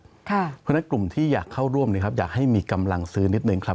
เพราะฉะนั้นกลุ่มที่อยากเข้าร่วมอยากให้มีกำลังซื้อนิดนึงครับ